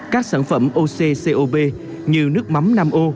các sản phẩm occop như nước mắm năm ô